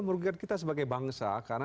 merugikan kita sebagai bangsa karena